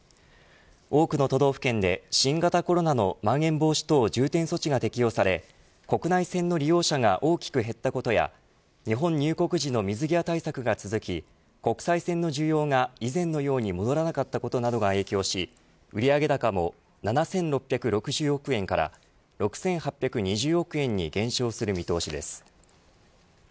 多くの都道府県で新型コロナのまん延防止等重点措置が適用され国内線の利用者が大きく減ったことや日本入国時の水際対策が続き国際線の需要が以前のように戻らなかったことなどが影響し売上高も７６６０億円から６８２０億円に減少する見通しです。